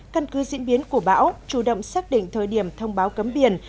căn cứ diễn biến của bão chủ động xác định thời điểm thông báo cấm biển